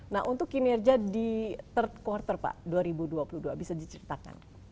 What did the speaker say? nah untuk kinerja di third quarter pak dua ribu dua puluh dua bisa diceritakan